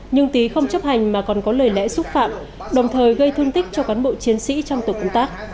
nhưng tý không chấp hành mà còn có lời lẽ xúc phạm đồng thời gây thương tích cho cán bộ chiến sĩ trong tổ công tác